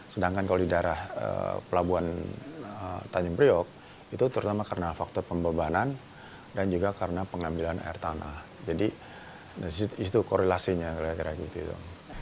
sedangkan kalau di daerah pelabuhan tanjung priok itu terutama karena faktor pembebanan dan juga karena pengambilan air tanah jadi itu korelasinya kira kira gitu